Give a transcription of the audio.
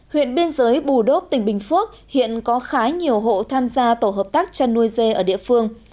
huyện biên giới bù đốp tỉnh bình phước hiện có khá nhiều hộ tham gia tổ hợp tác chăn nuôi dê ở địa phương